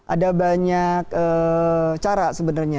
ada banyak cara sebenarnya